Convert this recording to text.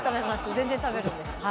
全然食べるんです。